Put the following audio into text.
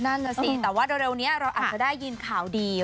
นั่นน่ะสิแต่ว่าเร็วนี้เราอาจจะได้ยินข่าวดี